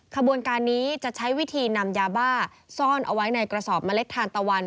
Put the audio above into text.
ขบวนการนี้จะใช้วิธีนำยาบ้าซ่อนเอาไว้ในกระสอบเมล็ดทานตะวัน